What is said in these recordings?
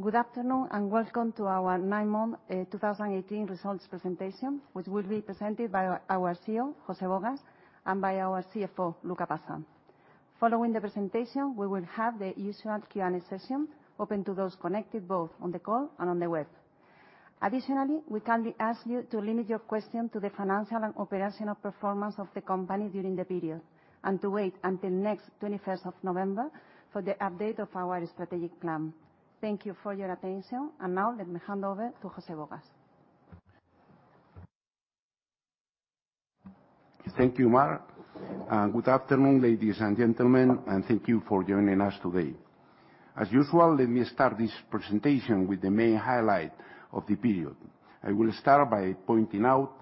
Good afternoon and welcome to our nine-month 2018 results presentation, which will be presented by our CEO, José Gálvez, and by our CFO, Luca Passa. Following the presentation, we will have the usual Q&A session open to those connected both on the call and on the web. Additionally, we kindly ask you to limit your questions to the financial and operational performance of the company during the period and to wait until next 21st of November for the update of our strategic plan. Thank you for your attention, and now let me hand over to José Gálvez. Thank you, Mar. Good afternoon, ladies and gentlemen, and thank you for joining us today. As usual, let me start this presentation with the main highlight of the period. I will start by pointing out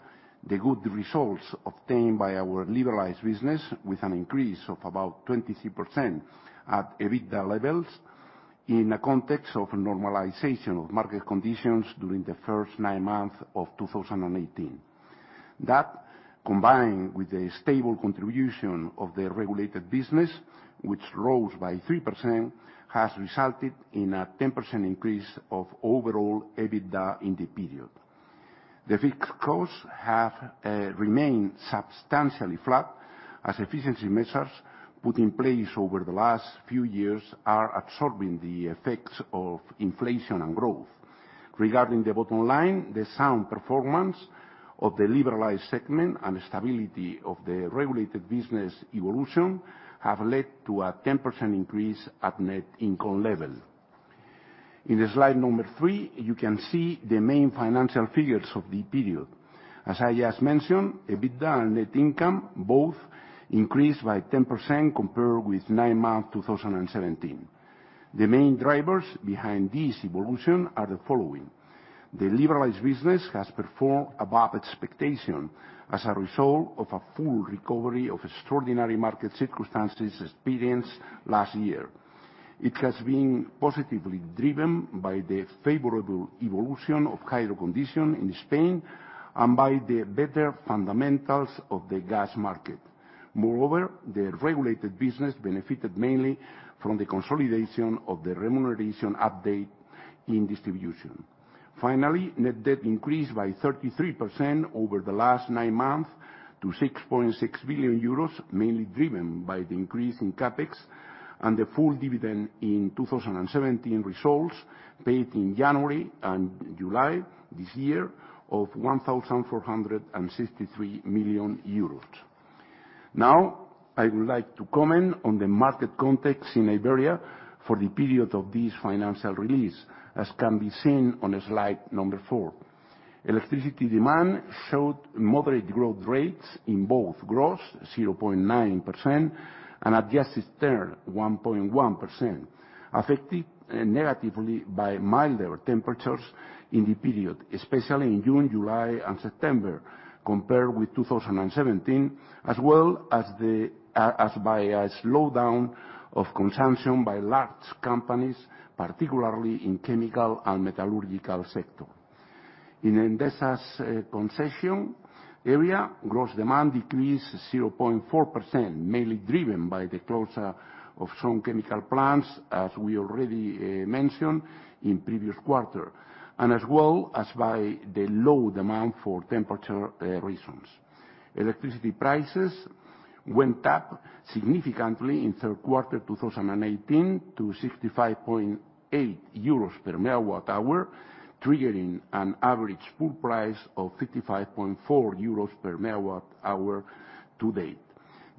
the good results obtained by our liberalized business, with an increase of about 23% at EBITDA levels in a context of normalization of market conditions during the first nine months of 2018. That, combined with the stable contribution of the regulated business, which rose by 3%, has resulted in a 10% increase of overall EBITDA in the period. The fixed costs have remained substantially flat, as efficiency measures put in place over the last few years are absorbing the effects of inflation and growth. Regarding the bottom line, the sound performance of the liberalized segment and stability of the regulated business evolution have led to a 10% increase at net income level. In slide number three, you can see the main financial figures of the period. As I just mentioned, EBITDA and net income both increased by 10% compared with nine months 2017. The main drivers behind this evolution are the following: the liberalized business has performed above expectation as a result of a full recovery of extraordinary market circumstances experienced last year. It has been positively driven by the favorable evolution of hydro conditions in Spain and by the better fundamentals of the gas market. Moreover, the regulated business benefited mainly from the consolidation of the remuneration update in distribution. Finally, net debt increased by 33% over the last nine months to 6.6 billion euros, mainly driven by the increase in CapEx and the full dividend in 2017 results paid in January and July this year of 1,463 million euros. Now, I would like to comment on the market context in Iberia for the period of this financial release, as can be seen on slide number four. Electricity demand showed moderate growth rates in both gross, 0.9%, and adjusted term 1.1%, affected negatively by milder temperatures in the period, especially in June, July, and September compared with 2017, as well as by a slowdown of consumption by large companies, particularly in the chemical and metallurgical sector. In Endesa's concession area, gross demand decreased 0.4%, mainly driven by the closure of some chemical plants, as we already mentioned in the previous quarter, and as well as by the low demand for temperature reasons. Electricity prices went up significantly in the third quarter of 2018 to 65.8 euros per megawatt hour, triggering an average pool price of 55.4 euros per megawatt hour to date.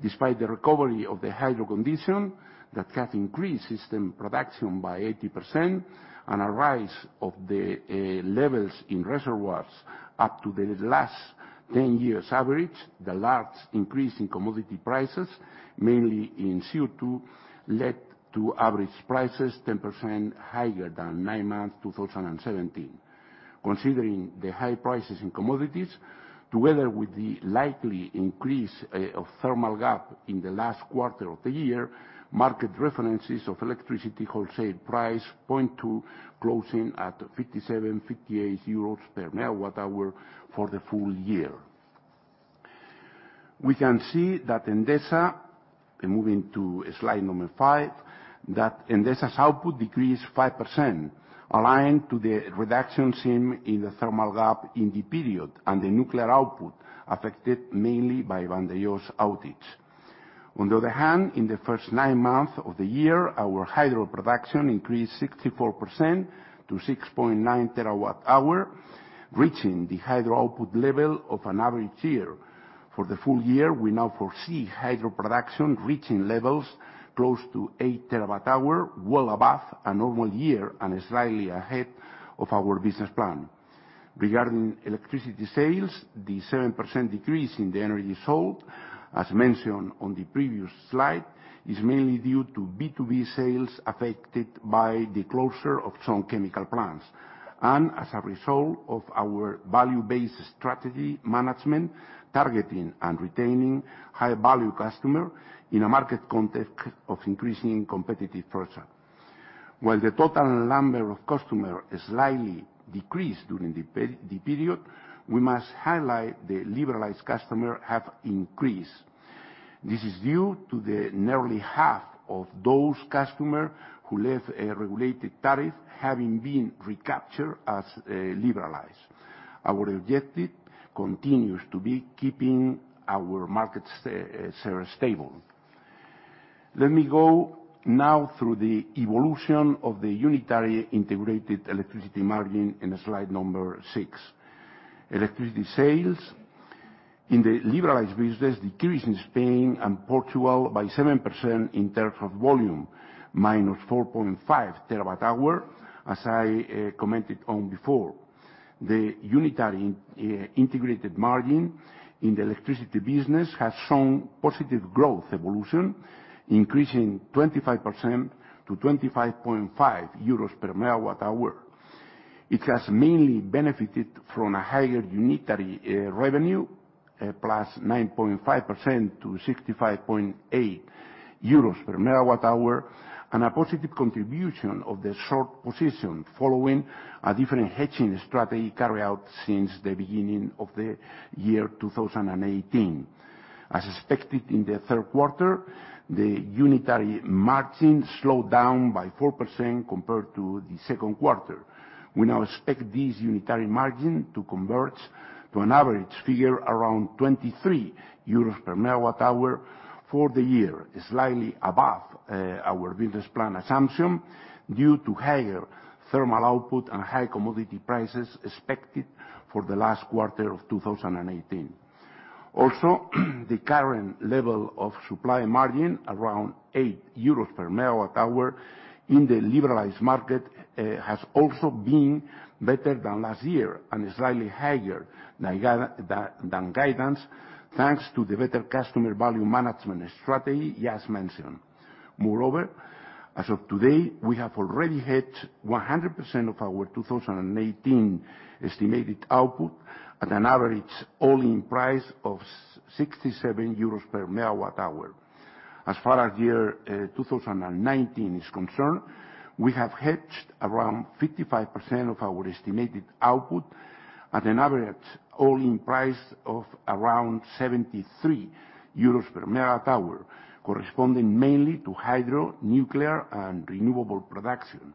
Despite the recovery of the hydro conditions that have increased system production by 80% and a rise of the levels in reservoirs up to the last 10 years' average, the large increase in commodity prices, mainly in CO2, led to average prices 10% higher than nine months 2017. Considering the high prices in commodities, together with the likely increase of thermal gap in the last quarter of the year, market references of electricity wholesale price point to closing at 57.58 euros per megawatt hour for the full year. We can see that Endesa, moving to slide number five, that Endesa's output decreased 5%, aligned to the reduction seen in the thermal gap in the period, and the nuclear output affected mainly by Vandellós outage. On the other hand, in the first nine months of the year, our hydro production increased 64% to 6.9 terawatt hour, reaching the hydro output level of an average year. For the full year, we now foresee hydro production reaching levels close to 8 terawatt hour, well above a normal year and slightly ahead of our business plan. Regarding electricity sales, the 7% decrease in the energy sold, as mentioned on the previous slide, is mainly due to B2B sales affected by the closure of some chemical plants, and as a result of our value-based strategy management targeting and retaining high-value customers in a market context of increasing competitive pressure. While the total number of customers slightly decreased during the period, we must highlight the liberalized customers have increased. This is due to the nearly half of those customers who left a regulated tariff having been recaptured as liberalized. Our objective continues to be keeping our market share stable. Let me go now through the evolution of the unitary integrated electricity margin in slide number six. Electricity sales in the liberalized business decreased in Spain and Portugal by 7% in terms of volume, minus 4.5 terawatt-hour, as I commented on before. The unitary integrated margin in the electricity business has shown positive growth evolution, increasing 25% to 25.5 euros per megawatt-hour. It has mainly benefited from a higher unitary revenue, plus 9.5% to 65.8 euros per megawatt-hour, and a positive contribution of the short position following a different hedging strategy carried out since the beginning of the year 2018. As expected in the third quarter, the unitary margin slowed down by 4% compared to the second quarter. We now expect this unitary margin to convert to an average figure around 23 euros per megawatt hour for the year, slightly above our business plan assumption due to higher thermal output and high commodity prices expected for the last quarter of 2018. Also, the current level of supply margin, around 8 euros per megawatt hour in the liberalized market, has also been better than last year and slightly higher than guidance, thanks to the better customer value management strategy as mentioned. Moreover, as of today, we have already hedged 100% of our 2018 estimated output at an average all-in price of 67 euros per megawatt hour. As far as year 2019 is concerned, we have hedged around 55% of our estimated output at an average all-in price of around 73 euros per megawatt hour, corresponding mainly to hydro, nuclear, and renewable production.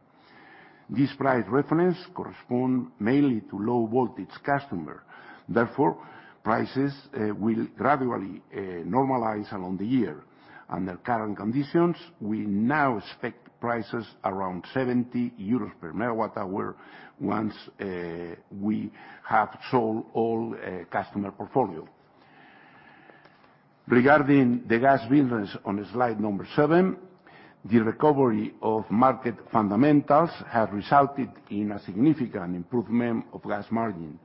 This price reference corresponds mainly to low-voltage customers. Therefore, prices will gradually normalize along the year. Under current conditions, we now expect prices around 70 euros per MWh once we have sold all customer portfolio. Regarding the gas business on slide number seven, the recovery of market fundamentals has resulted in a significant improvement of gas margin.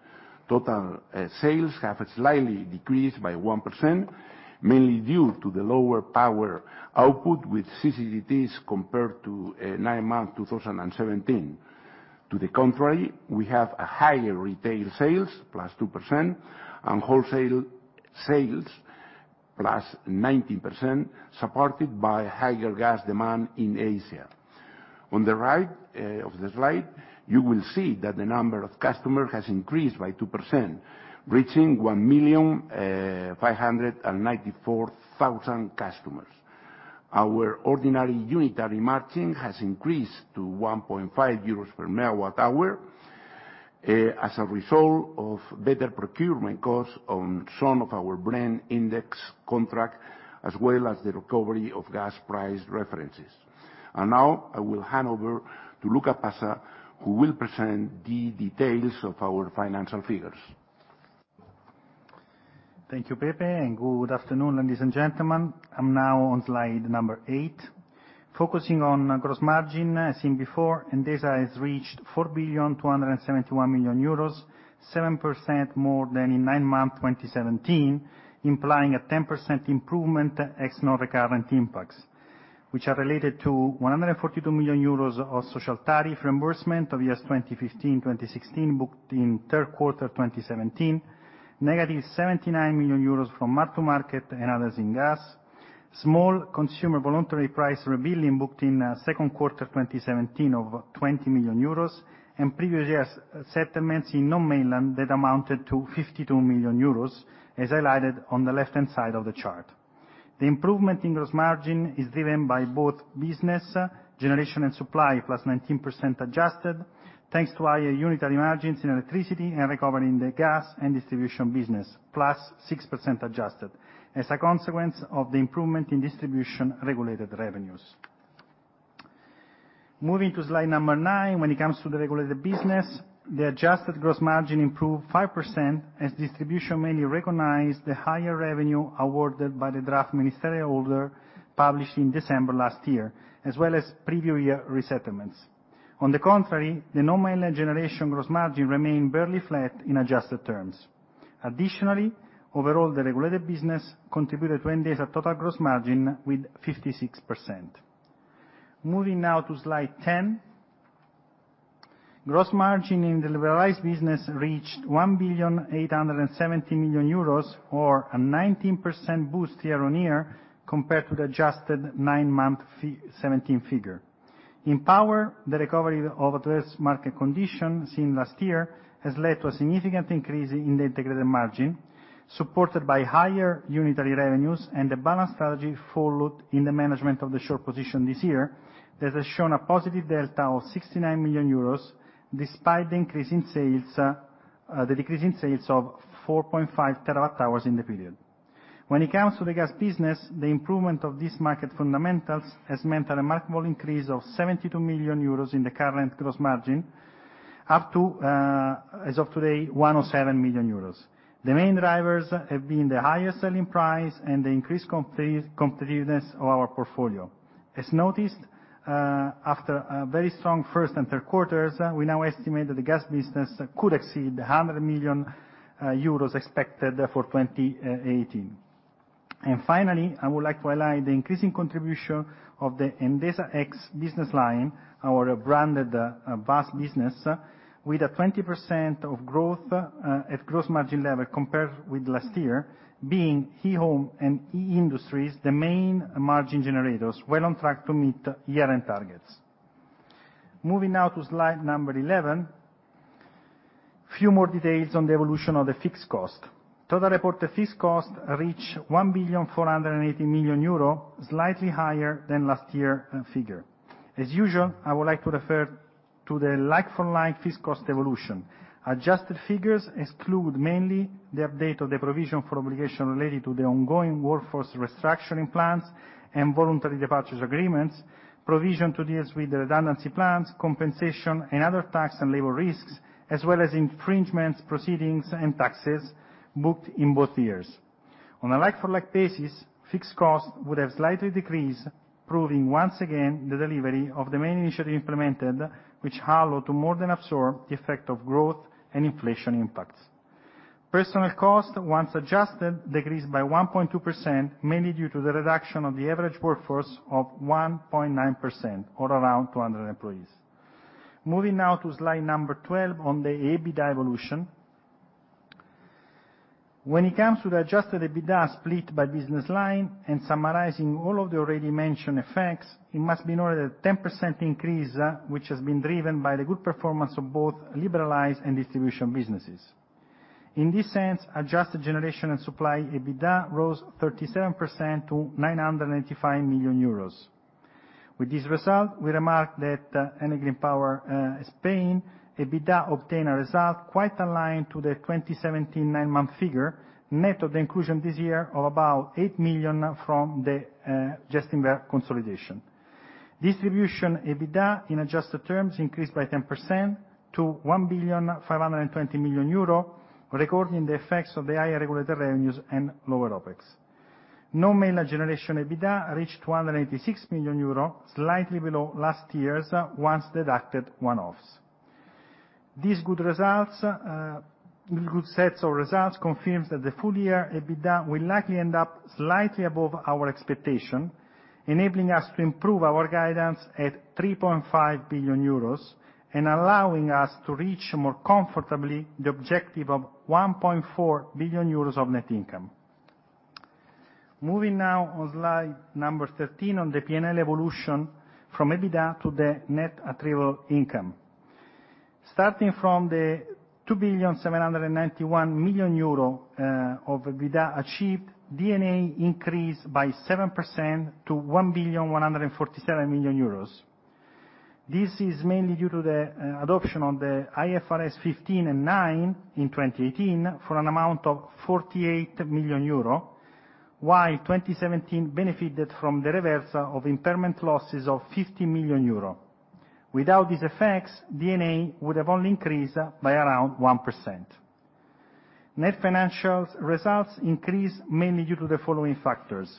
Total sales have slightly decreased by 1%, mainly due to the lower power output with CCGTs compared to nine months 2017. To the contrary, we have a higher retail sales, plus 2%, and wholesale sales, plus 19%, supported by higher gas demand in Asia. On the right of the slide, you will see that the number of customers has increased by 2%, reaching 1,594,000 customers. Our ordinary unitary margin has increased to 1.5 euros per megawatt hour as a result of better procurement costs on some of our Brent index contracts, as well as the recovery of gas price references, and now I will hand over to Luca Passa, who will present the details of our financial figures. Thank you, Pepe, and good afternoon, ladies and gentlemen. I'm now on slide number eight, focusing on gross margin. As seen before, Endesa has reached 4,271 million euros, 7% more than in nine months 2017, implying a 10% improvement ex non-recurrent impacts, which are related to 142 million euros of social tariff reimbursement of years 2015-2016 booked in the third quarter of 2017, negative 79 million euros from mark-to-market and others in gas, small consumer voluntary price re-billing booked in the second quarter of 2017 of 20 million euros, and previous year's settlements in Non-Mainland that amounted to 52 million euros, as highlighted on the left-hand side of the chart. The improvement in gross margin is driven by both business generation and supply, plus 19% adjusted, thanks to higher unitary margins in electricity and recovering the gas and distribution business, plus 6% adjusted, as a consequence of the improvement in distribution regulated revenues. Moving to slide number nine, when it comes to the regulated business, the adjusted gross margin improved 5% as distribution mainly recognized the higher revenue awarded by the draft Ministerial Order published in December last year, as well as previous year re-settlements. On the contrary, the Non-Mainland generation gross margin remained barely flat in adjusted terms. Additionally, overall, the regulated business contributed to Endesa's total gross margin with 56%. Moving now to slide 10, gross margin in the liberalized business reached 1,870 million euros, or a 19% boost year on year compared to the adjusted nine-month 2017 figure. In power, the recovery of adverse market conditions seen last year has led to a significant increase in the integrated margin, supported by higher unitary revenues and the balanced strategy followed in the management of the short position this year that has shown a positive delta of 69 million euros, despite the decrease in sales of 4.5 terawatt hours in the period. When it comes to the gas business, the improvement of these market fundamentals has meant a remarkable increase of 72 million euros in the current gross margin, up to, as of today, 107 million euros. The main drivers have been the higher selling price and the increased competitiveness of our portfolio. As noticed, after very strong first and third quarters, we now estimate that the gas business could exceed the 100 million euros expected for 2018. Finally, I would like to highlight the increasing contribution of the Endesa X business line, our branded business, with 20% growth at gross margin level compared with last year, being e-Home and e-Industries the main margin generators, well on track to meet year-end targets. Moving now to slide number 11, a few more details on the evolution of the fixed cost. Total reported fixed cost reached 1,480 million euro, slightly higher than last year's figure. As usual, I would like to refer to the like-for-like fixed cost evolution. Adjusted figures exclude mainly the update of the provision for obligations related to the ongoing workforce restructuring plans and voluntary departures agreements, provisions to deal with the redundancy plans, compensation, and other tax and labor risks, as well as infringements, proceedings, and taxes booked in both years. On a like-for-like basis, fixed cost would have slightly decreased, proving once again the delivery of the main initiative implemented, which allowed to more than absorb the effect of growth and inflation impacts. Personnel cost, once adjusted, decreased by 1.2%, mainly due to the reduction of the average workforce of 1.9%, or around 200 employees. Moving now to slide number 12 on the EBITDA evolution. When it comes to the adjusted EBITDA split by business line, and summarizing all of the already mentioned effects, it must be noted that a 10% increase, which has been driven by the good performance of both liberalized and distribution businesses. In this sense, adjusted generation and supply EBITDA rose 37% to 985 million euros. With this result, we remark that Enel Green Power Spain EBITDA obtained a result quite aligned to the 2017 nine-month figure, net of the inclusion this year of about 8 million from the Gestinver consolidation. Distribution EBITDA, in adjusted terms, increased by 10% to 1,520 million euro, recording the effects of the higher regulated revenues and lower OpEx. Non-Mainland generation EBITDA reached 286 million euro, slightly below last year's once-deducted one-offs. These good sets of results confirm that the full-year EBITDA will likely end up slightly above our expectation, enabling us to improve our guidance at 3.5 billion euros and allowing us to reach more comfortably the objective of 1.4 billion euros of net income. Moving now on slide number 13 on the P&L evolution from EBITDA to the net attributable income. Starting from the 2,791 million euro of EBITDA achieved, D&A increased by 7% to 1,147 million euros. This is mainly due to the adoption of the IFRS 15 and 9 in 2018 for an amount of 48 million euro, while 2017 benefited from the reversal of impairment losses of 50 million euros. Without these effects, EBITDA would have only increased by around 1%. Net financial results increased mainly due to the following factors: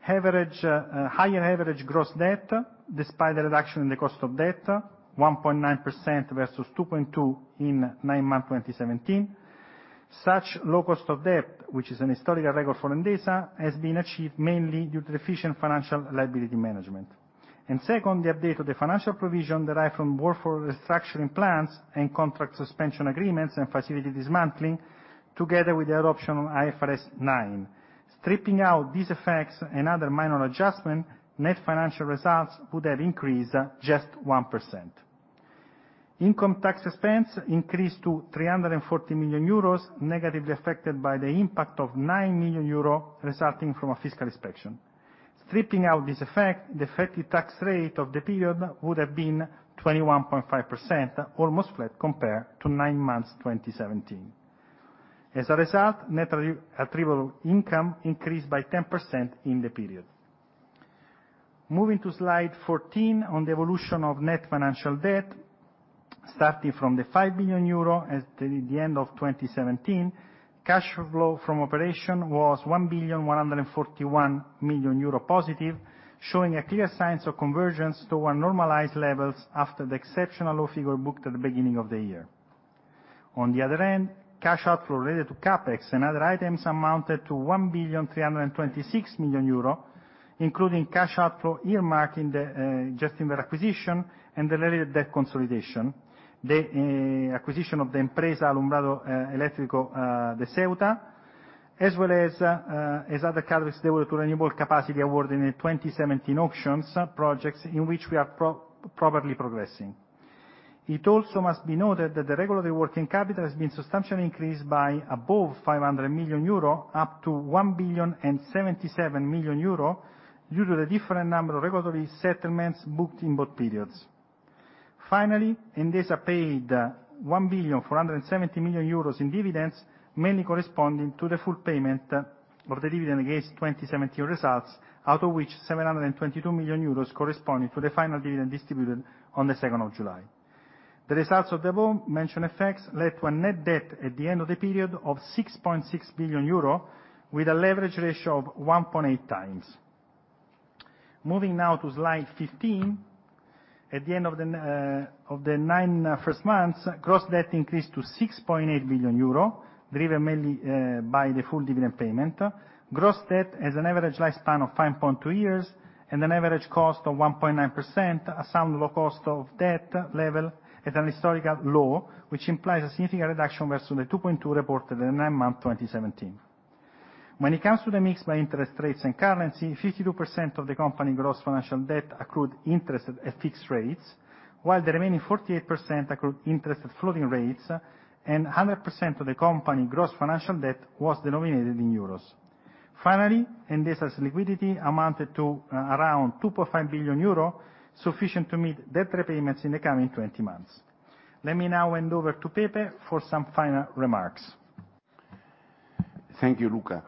higher average gross debt, despite the reduction in the cost of debt, 1.9% versus 2.2% in nine months 2017. Such low cost of debt, which is a historical record for Endesa, has been achieved mainly due to efficient financial liability management. And second, the update of the financial provision derived from workforce restructuring plans and contract suspension agreements and facility dismantling, together with the adoption of IFRS 9. Stripping out these effects and other minor adjustments, net financial results would have increased just 1%. Income tax expense increased to 340 million euros, negatively affected by the impact of nine million EUR resulting from a fiscal inspection. Stripping out this effect, the effective tax rate of the period would have been 21.5%, almost flat compared to nine months 2017. As a result, net attributable income increased by 10% in the period. Moving to slide 14 on the evolution of net financial debt, starting from the five million EUR at the end of 2017, cash flow from operation was 1,141 million euro positive, showing a clear sign of convergence toward normalized levels after the exceptional low figure booked at the beginning of the year. On the other end, cash outflow related to CapEx and other items amounted to 1,326 million euro, including cash outflow earmarked for Gestinver and the related debt consolidation, the acquisition of the Empresa de Alumbrado Eléctrico de Ceuta, as well as other CapEx devoted to renewable capacity awarded in the 2017 auctions projects in which we are properly progressing. It also must be noted that the regulatory working capital has been substantially increased by above 500 million euro, up to 1,077 million euro, due to the different number of regulatory settlements booked in both periods. Finally, Endesa paid 1,470 million euros in dividends, mainly corresponding to the full payment of the dividend against 2017 results, out of which 722 million euros corresponding to the final dividend distributed on the 2nd of July. The results of the above-mentioned effects led to a net debt at the end of the period of 6.6 billion euro, with a leverage ratio of 1.8 times. Moving now to slide 15, at the end of the nine first months, gross debt increased to 6.8 billion euro, driven mainly by the full dividend payment. Gross debt has an average lifespan of 5.2 years and an average cost of 1.9%, a sound low cost of debt level at an historical low, which implies a significant reduction versus the 2.2 reported in nine months 2017. When it comes to the mix by interest rates and currency, 52% of the company gross financial debt accrued interest at fixed rates, while the remaining 48% accrued interest at floating rates, and 100% of the company gross financial debt was denominated in euros. Finally, Endesa's liquidity amounted to around 2.5 billion euro, sufficient to meet debt repayments in the coming 20 months. Let me now hand over to Pepe for some final remarks. Thank you, Luca.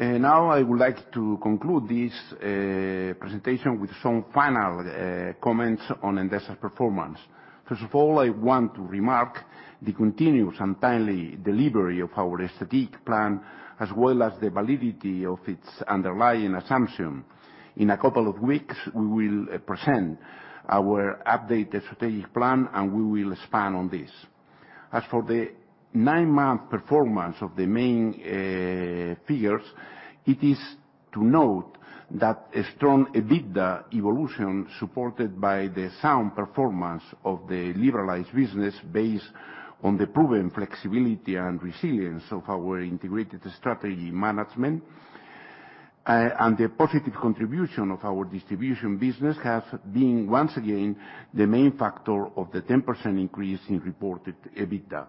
Now I would like to conclude this presentation with some final comments on Endesa's performance. First of all, I want to remark the continuous and timely delivery of our strategic plan, as well as the validity of its underlying assumption. In a couple of weeks, we will present our updated strategic plan, and we will expand on this. As for the nine-month performance of the main figures, it is to note that a strong EBITDA evolution supported by the sound performance of the liberalized business based on the proven flexibility and resilience of our integrated strategy management and the positive contribution of our distribution business have been once again the main factor of the 10% increase in reported EBITDA.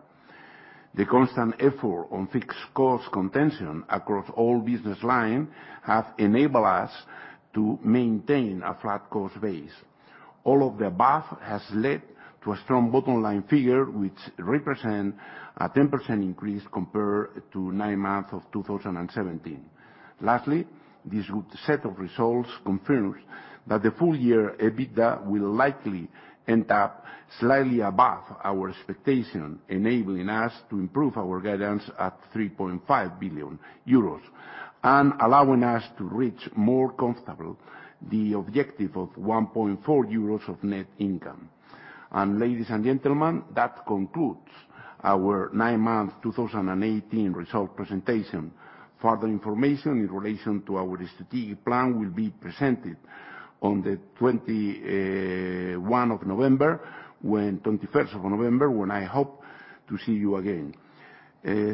The constant effort on fixed cost contention across all business lines has enabled us to maintain a flat cost base. All of the above has led to a strong bottom line figure, which represents a 10% increase compared to nine months of 2017. Lastly, this good set of results confirms that the full-year EBITDA will likely end up slightly above our expectation, enabling us to improve our guidance at 3.5 billion euros and allowing us to reach more comfortably the objective of 1.4 euros of net income. And ladies and gentlemen, that concludes our nine-month 2018 result presentation. Further information in relation to our strategic plan will be presented on the 21st of November, when I hope to see you again.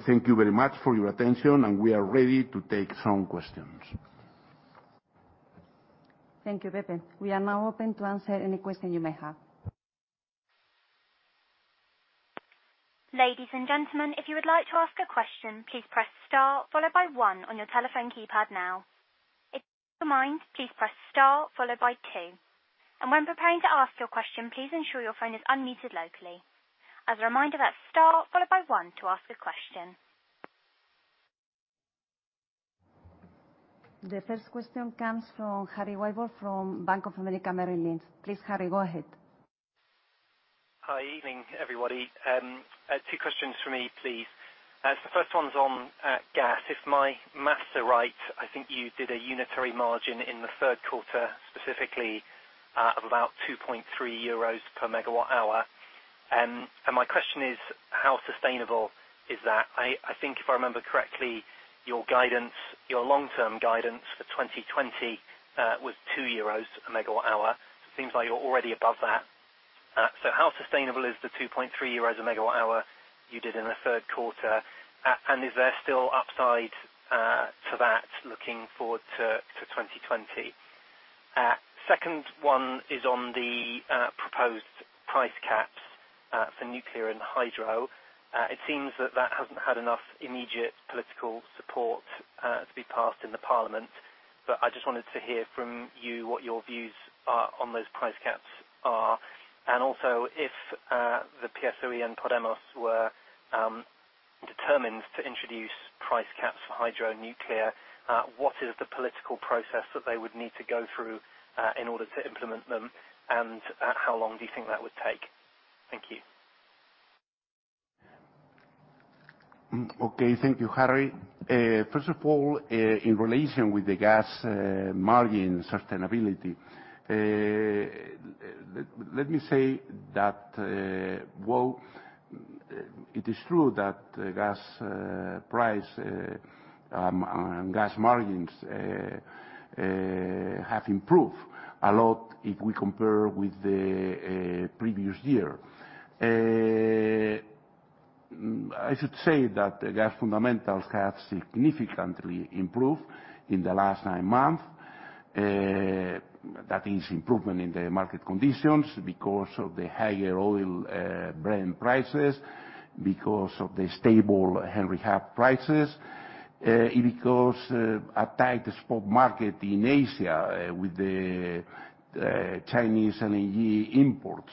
Thank you very much for your attention, and we are ready to take some questions. Thank you, Pepe. We are now open to answer any question you may have. Ladies and gentlemen, if you would like to ask a question, please press star followed by one on your telephone keypad now. If you don't mind, please press star followed by two. And when preparing to ask your question, please ensure your phone is unmuted locally. As a reminder, that's star followed by one to ask a question. The first question comes from Harry Wyburd from Bank of America Merrill Lynch. Please, Harry, go ahead. Good evening, everybody. Two questions for me, please. The first one's on gas. If my math is right, I think you did a unit margin in the third quarter, specifically of about 2.3 euros per megawatt hour. And my question is, how sustainable is that? I think, if I remember correctly, your long-term guidance for 2020 was 2 euros per megawatt hour. It seems like you're already above that. So how sustainable is the 2.3 euros per megawatt hour you did in the third quarter? And is there still upside to that, looking forward to 2020? Second one is on the proposed price caps for nuclear and hydro. It seems that that hasn't had enough immediate political support to be passed in the Parliament. But I just wanted to hear from you what your views are on those price caps. Also, if the PSOE and Podemos were determined to introduce price caps for hydro nuclear, what is the political process that they would need to go through in order to implement them? And how long do you think that would take? Thank you. Okay, thank you, Harry. First of all, in relation with the gas margin sustainability, let me say that, well, it is true that the gas price and gas margins have improved a lot if we compare with the previous year. I should say that the gas fundamentals have significantly improved in the last nine months. That is improvement in the market conditions because of the higher Brent prices, because of the stable Henry Hub prices, because a tight spot market in Asia with the Chinese LNG imports.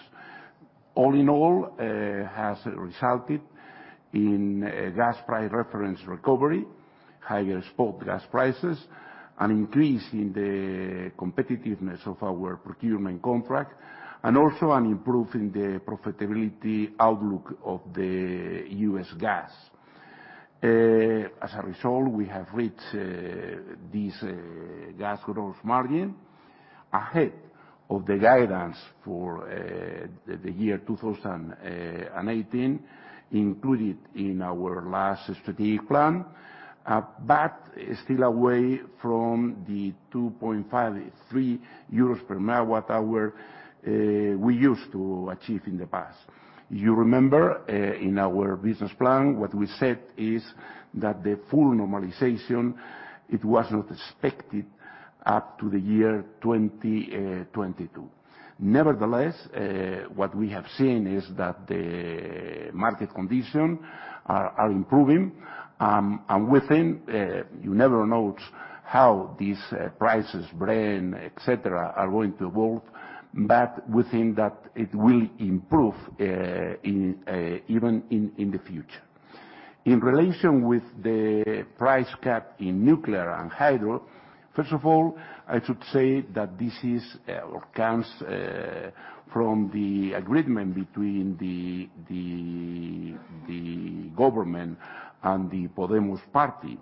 All in all, it has resulted in gas price reference recovery, higher spot gas prices, an increase in the competitiveness of our procurement contract, and also an improvement in the profitability outlook of the US gas. As a result, we have reached this gas gross margin ahead of the guidance for the year 2018 included in our last strategic plan, but still away from the 2.5 euros to 3 per MWh we used to achieve in the past. You remember, in our business plan, what we said is that the full normalization, it was not expected up to the year 2022. Nevertheless, what we have seen is that the market conditions are improving, and within, you never know how these prices, Brent, etc., are going to evolve, but we think that it will improve even in the future. In relation with the price cap in nuclear and hydro, first of all, I should say that this comes from the agreement between the government and the Podemos party.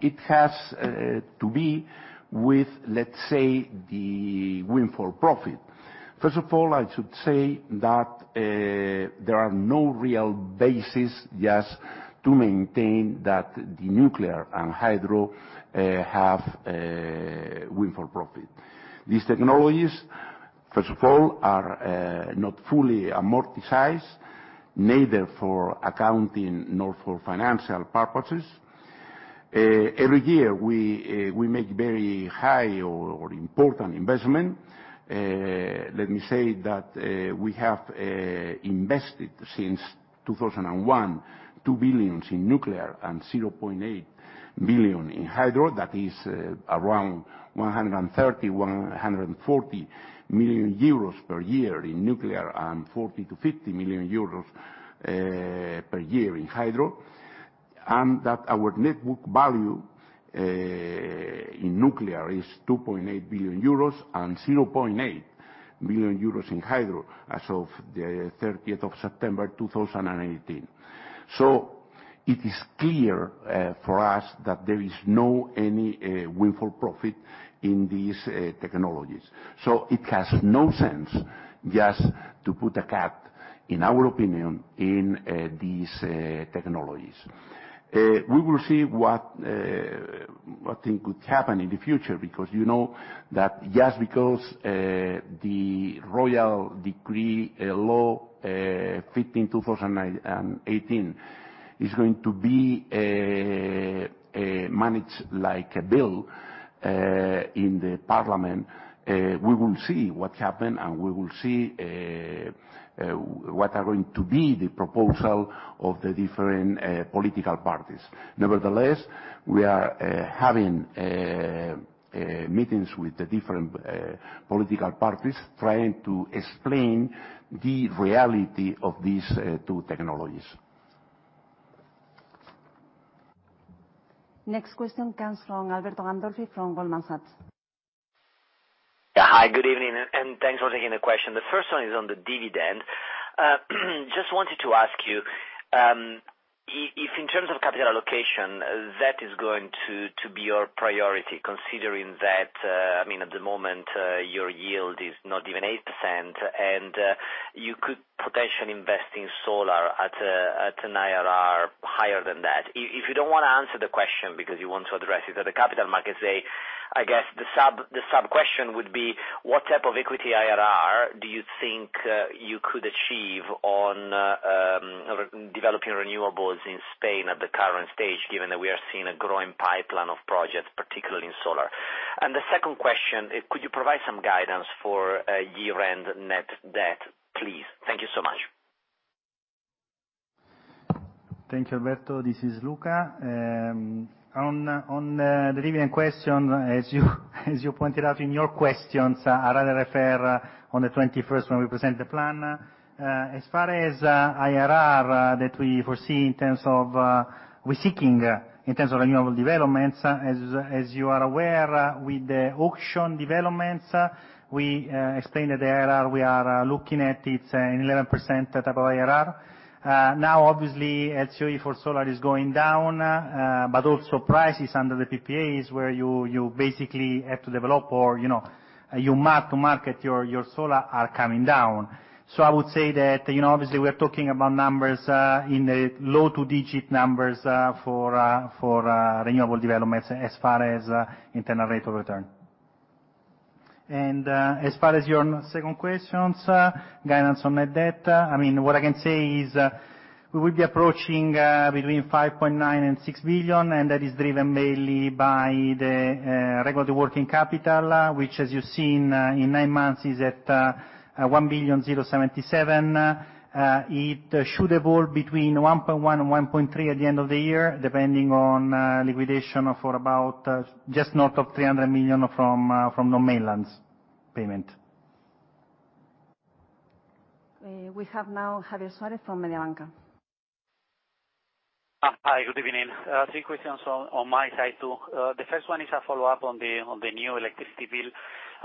It has to be with, let's say, the windfall profit. First of all, I should say that there are no real bases just to maintain that the nuclear and hydro have windfall profit. These technologies, first of all, are not fully amortized, neither for accounting nor for financial purposes. Every year, we make very high or important investments. Let me say that we have invested since 2001, 2 billion in nuclear and 0.8 billion in hydro. That is around 130-140 million euros per year in nuclear and 40-50 million euros per year in hydro. And that our net book value in nuclear is 2.8 billion euros and 0.8 billion euros in hydro as of the 30th of September 2018. So it is clear for us that there is no any windfall profit in these technologies. So it has no sense just to put a cap, in our opinion, in these technologies. We will see what I think could happen in the future because you know that just because the Royal Decree-Law 15/2018 is going to be managed like a bill in the Parliament, we will see what happens and we will see what are going to be the proposal of the different political parties. Nevertheless, we are having meetings with the different political parties trying to explain the reality of these two technologies. Next question comes from Alberto Gandolfi from Goldman Sachs. Yeah, hi, good evening, and thanks for taking the question. The first one is on the dividend. Just wanted to ask you if, in terms of capital allocation, that is going to be your priority, considering that, I mean, at the moment, your yield is not even 8% and you could potentially invest in solar at an IRR higher than that. If you don't want to answer the question because you want to address it at the capital markets, I guess the sub-question would be, what type of equity IRR do you think you could achieve on developing renewables in Spain at the current stage, given that we are seeing a growing pipeline of projects, particularly in solar? And the second question, could you provide some guidance for year-end net debt, please? Thank you so much. Thank you, Alberto. This is Luca. On the dividend question, as you pointed out in your questions, I'd rather refer on the 21st when we present the plan. As far as IRR that we foresee in terms of we're seeking in terms of renewable developments, as you are aware, with the auction developments, we explained that the IRR we are looking at, it's an 11% type of IRR. Now, obviously, LCOE for solar is going down, but also prices under the PPAs where you basically have to develop or you mark-to-market your solar are coming down. So I would say that, obviously, we are talking about numbers in the low two-digit numbers for renewable developments as far as internal rate of return. As far as your second questions, guidance on net debt, I mean, what I can say is we will be approaching between 5.9 billion and 6 billion, and that is driven mainly by the regular working capital, which, as you've seen in nine months, is at 1.077 billion. It should evolve between 1.1 billion and 1.3 billion at the end of the year, depending on liquidation for about just north of 300 million from Non-Mainland payment. We have now Javier Suárez from Mediobanca. Hi, good evening. Three questions on my side too. The first one is a follow-up on the new electricity bill,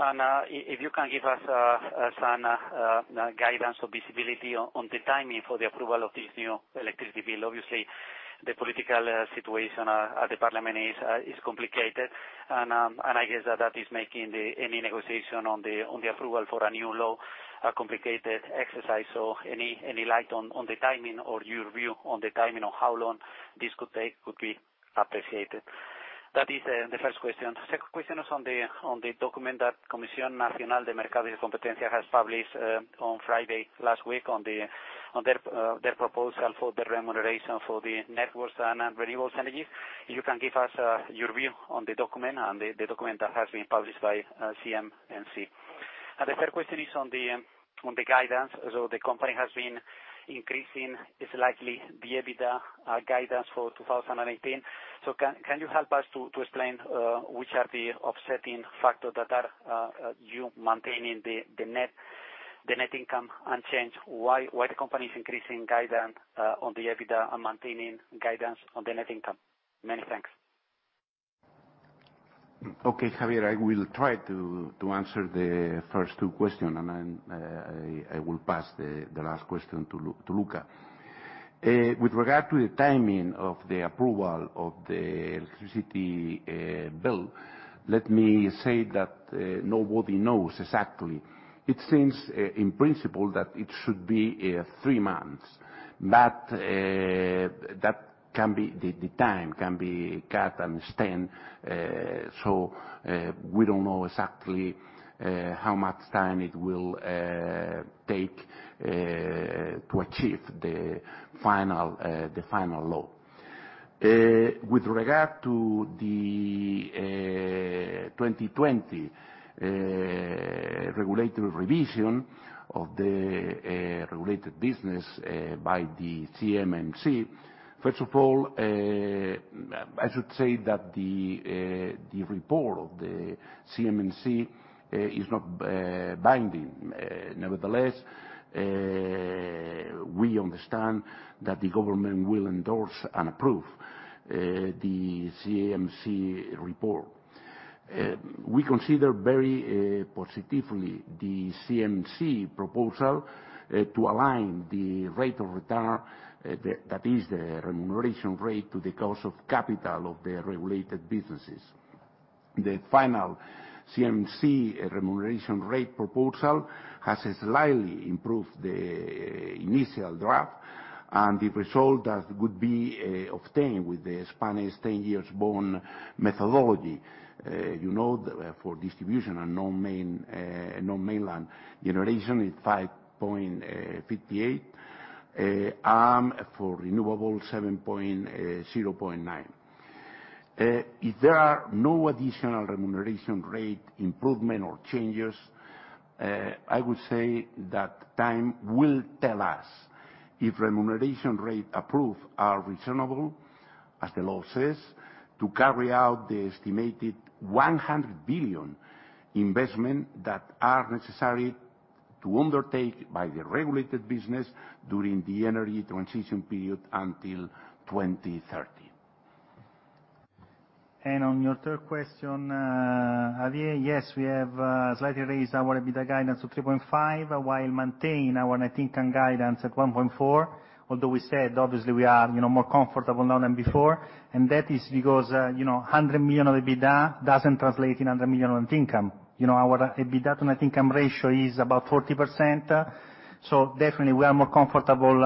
and if you can give us some guidance or visibility on the timing for the approval of this new electricity bill. Obviously, the political situation at the Parliament is complicated, and I guess that that is making any negotiation on the approval for a new law a complicated exercise. So any light on the timing or your view on the timing of how long this could take would be appreciated. That is the first question. The second question is on the document that Comisión Nacional de los Mercados y la Competencia has published on Friday last week on their proposal for the remuneration for the networks and renewable energy. If you can give us your view on the document and the document that has been published by CNMC. The third question is on the guidance. The company has been increasing its likely the EBITDA guidance for 2018. Can you help us to explain which are the offsetting factors that are you maintaining the net income unchanged? Why the company is increasing guidance on the EBITDA and maintaining guidance on the net income? Many thanks. Okay, Javier, I will try to answer the first two questions, and then I will pass the last question to Luca. With regard to the timing of the approval of the electricity bill, let me say that nobody knows exactly. It seems, in principle, that it should be three months, but the time can be cut and extended. So we don't know exactly how much time it will take to achieve the final law. With regard to the 2020 regulatory revision of the regulated business by the CNMC, first of all, I should say that the report of the CNMC is not binding. Nevertheless, we understand that the government will endorse and approve the CNMC report. We consider very positively the CNMC proposal to align the rate of return, that is, the remuneration rate, to the cost of capital of the regulated businesses. The final CNMC remuneration rate proposal has slightly improved the initial draft, and the result that would be obtained with the Spanish 10-year bond methodology for distribution and non-mainland generation is 5.58, and for renewables, 7.09. If there are no additional remuneration rate improvement or changes, I would say that time will tell us if remuneration rate approved are reasonable, as the law says, to carry out the estimated 100 billion investment that are necessary to undertake by the regulated business during the energy transition period until 2030. On your third question, Javier, yes, we have slightly raised our EBITDA guidance to 3.5 while maintaining our net income guidance at 1.4, although we said, obviously, we are more comfortable now than before. That is because 100 million of EBITDA doesn't translate in 100 million net income. Our EBITDA to net income ratio is about 40%. So definitely, we are more comfortable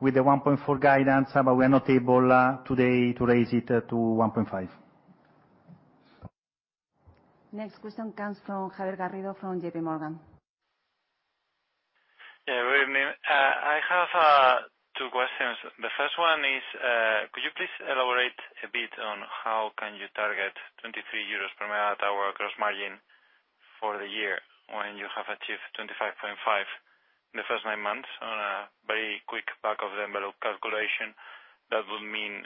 with the 1.4 guidance, but we are not able today to raise it to 1.5. Next question comes from Javier Garrido from J.P. Morgan. Yeah, good evening. I have two questions. The first one is, could you please elaborate a bit on how can you target 23 euros per megawatt hour gross margin for the year when you have achieved 25.5 in the first nine months on a very quick back-of-the-envelope calculation? That would mean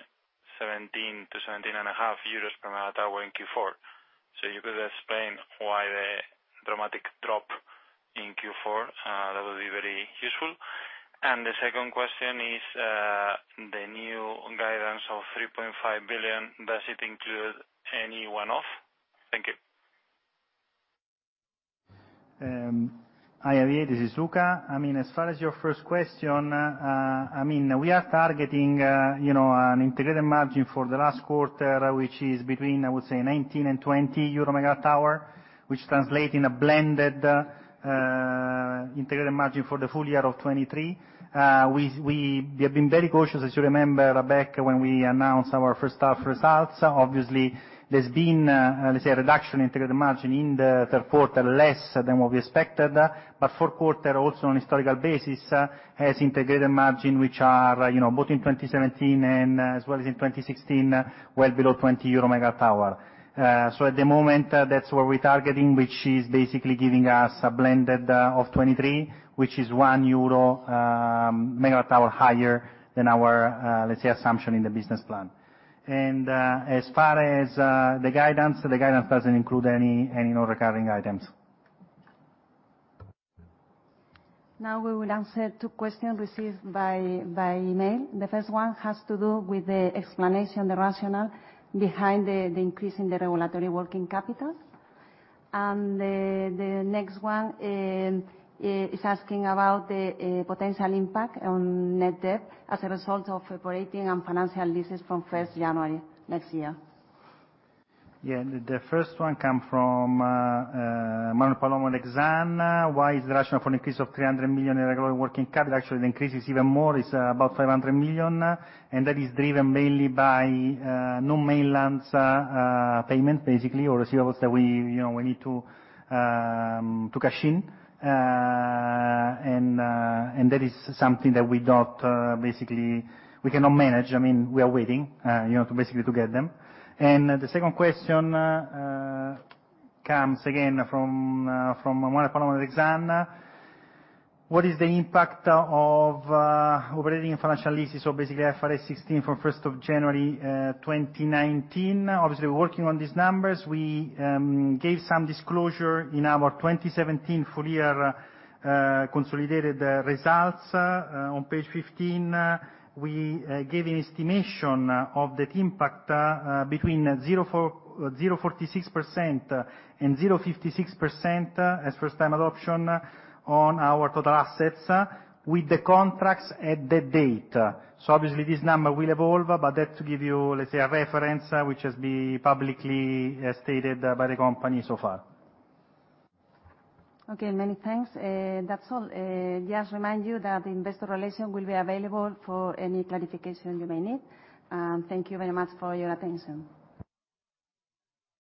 17 to 17.5 euros per megawatt hour in Q4. So you could explain why the dramatic drop in Q4? That would be very useful. And the second question is, the new guidance of 3.5 billion, does it include any one-off? Thank you. Hi, Javier, this is Luca. I mean, as far as your first question, I mean, we are targeting an integrated margin for the last quarter, which is between, I would say, 19 and 20 EUR/MWh, which translates in a blended integrated margin for the full year of 2023. We have been very cautious, as you remember, back when we announced our first half results. Obviously, there's been, let's say, a reduction in integrated margin in the third quarter, less than what we expected. But fourth quarter, also on a historical basis, has integrated margin which are both in 2017 and as well as in 2016, well below 20 EUR/MWh. So at the moment, that's what we're targeting, which is basically giving us a blended of 2023, which is 1 EUR/MWh higher than our, let's say, assumption in the business plan. As far as the guidance, the guidance doesn't include any recurring items. Now we will answer two questions received by email. The first one has to do with the explanation, the rationale behind the increase in the regulatory working capital, and the next one is asking about the potential impact on net debt as a result of operating and financial leases from 1st January next year. Yeah, the first one comes from Manuel Palomo. Why is the rationale for an increase of 300 million in regulatory working capital? Actually, the increase is even more. It's about 500 million, and that is driven mainly by non-mainland payments, basically, or receivables that we need to cash in. And that is something that we don't basically we cannot manage. I mean, we are waiting basically to get them. And the second question comes again from Manuel Palomo. What is the impact of operating and financial leases? So basically, IFRS 16 from 1st of January 2019. Obviously, we're working on these numbers. We gave some disclosure in our 2017 full-year consolidated results. On page 15, we gave an estimation of that impact between 0.46%-0.56% as first-time adoption on our total assets with the contracts at that date. So obviously, this number will evolve, but that, to give you, let's say, a reference which has been publicly stated by the company so far. Okay, many thanks. That's all. Just remind you that Investor Relations will be available for any clarification you may need, and thank you very much for your attention.